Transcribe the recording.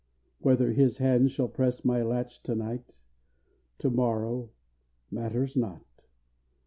Whether his hand shall press my latch to night, To morrow, matters not.